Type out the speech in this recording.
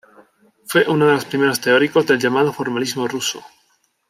Fue uno de los primeros teóricos del llamado formalismo ruso.